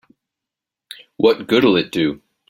What good'll it do?